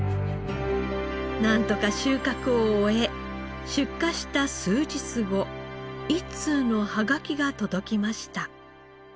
なんとか収穫を終え出荷した数日後一通の葉書が届きました。